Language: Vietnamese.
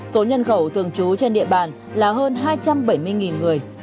số nhân khẩu thường trú trên địa bàn là hơn hai trăm bảy mươi người